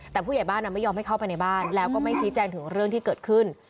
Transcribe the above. แต่ผู้ใหญ่บ้านไม่ยอมให้เข้าไปในบ้านแล้วก็ไม่ชี้แจงถึงเรื่องที่เกิดขึ้น